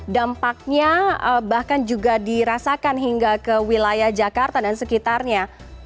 dampaknya bahkan juga dirasakan hingga ke wilayah jakarta dan sekitarnya